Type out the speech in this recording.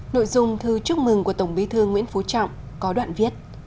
nội dung thư chúc mừng của tổng bí thư nguyễn phú trọng có đoạn viết